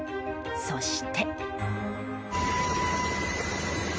そして。